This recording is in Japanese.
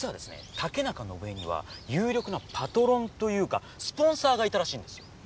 竹中伸枝には有力なパトロンというかスポンサーがいたらしいんですよ。